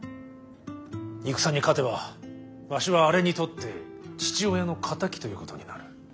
戦に勝てばわしはあれにとって父親の敵ということになる。